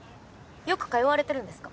よく通われてるんですか？